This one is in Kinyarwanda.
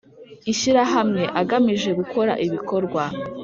ishyirahamwe agamije gukora ibikorwa